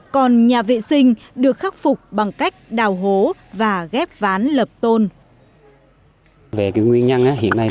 còn nhà vệ sinh được khắc phục bằng cách đào hố và ghép ván lập tôn